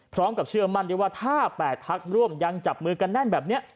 เชื่อมั่นได้ว่าถ้า๘พักร่วมยังจับมือกันแน่นแบบนี้